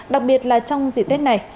đặc biệt là trong dịp tết này